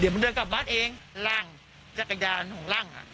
เดี๋ยวมันเดินกลับบ้านเองลั่งจากกระดานของลั่งอ่ะ